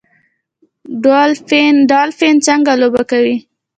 ډولفین څنګه لوبه کوي؟